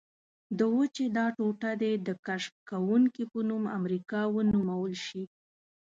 د وچې دا ټوټه دې د کشف کوونکي په نوم امریکا ونومول شي.